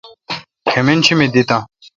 کمِن شی مے دہتہ؟